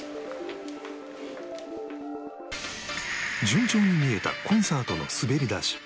順調に見えたコンサートの滑り出し